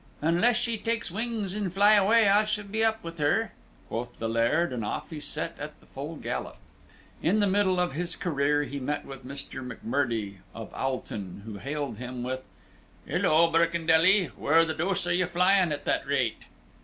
"Unless she take wings and fly away, I shall be up with her," quoth the Laird, and off he set at the full gallop. In the middle of his career he met with Mr. McMurdie, of Aulton, who hailed him with, "Hilloa, Birkendelly! Where the deuce are you flying at that rate?"